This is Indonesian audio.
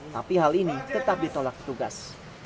tapi hal ini tetap ditolak petugas